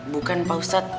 bukan pak ustadz